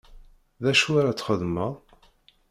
D acu ara txedmeḍ?